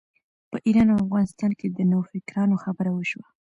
په ایران او افغانستان کې د نوفکرانو خبره وشوه.